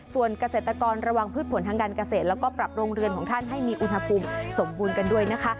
ส่วนเกษตรกรระวังพืชผลทางการเกษตรแล้วก็ปรับโรงเรือนของท่านให้มีอุณหภูมิสมบูรณ์กันด้วยนะคะ